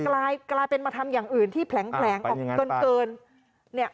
แต่กลายเป็นมาทำอย่างอื่นที่แผลงออกเกิน